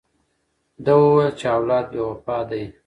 ده وویل چې اولاد بې وفا دی.